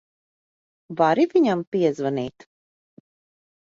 Vari viņam piezvanīt?